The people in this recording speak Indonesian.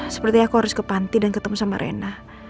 seperti aku harus ke panti dan ketemu sama rena